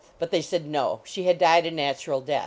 But they said no; she had died a natural di